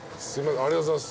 ありがとうございます。